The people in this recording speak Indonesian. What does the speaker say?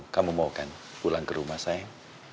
kamu mau kan pulang ke rumah saya